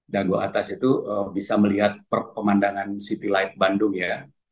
dagu atas itu bisa melihat pemandangan city light bandung ya